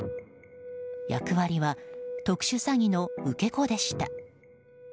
役割は特殊詐欺の受け子でした。